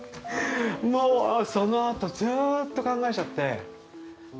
もうそのあとずっと考えちゃって。